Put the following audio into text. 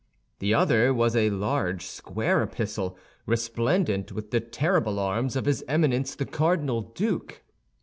The other was a large square epistle, resplendent with the terrible arms of his Eminence the cardinal duke.